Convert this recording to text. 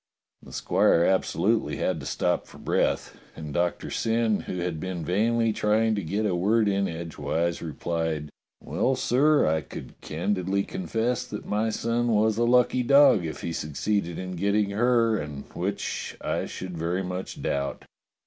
" The squire absolutely had to stop for breath, and Doctor Syn, who had been vainly trying to get a word in edgewise, replied: "Well, sir, I should candidly confess that my son was a lucky dog if he succeeded in getting her, and which, I should very much doubt.